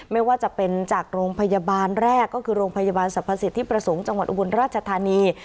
ไม่ว่าจะเป็นจากโรงพยาบาลแรกก็คือโรงพยาบาลสรรพสิทธิประสงค์จังหวัดอุบลราชธานี